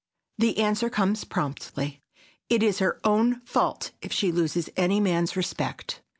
The answer comes promptly: It is her own fault if she loses any man's respect.